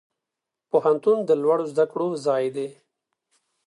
پوهنتون د لوړو زده کړو ځای دی